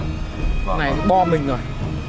này bò mình rồi